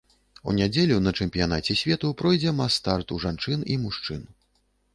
У нядзелю на чэмпіянаце свету пройдзе мас-старт у жанчын і мужчын.